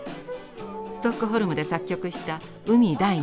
ストックホルムで作曲した「海第２番」。